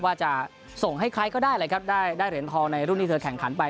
ว่าจะส่งให้ใครก็ได้เลยครับได้เหรียญทองในรุ่นที่เธอแข่งขันไป